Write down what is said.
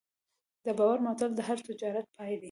د باور ماتول د هر تجارت پای دی.